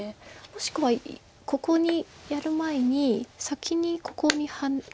もしくはここにやる前に先にここにハネを。